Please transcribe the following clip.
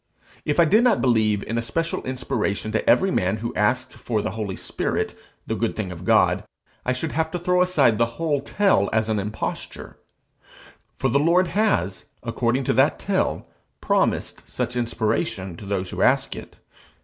If I did not believe in a special inspiration to every man who asks for the holy spirit, the good thing of God, I should have to throw aside the whole tale as an imposture; for the Lord has, according to that tale, promised such inspiration to those who ask it.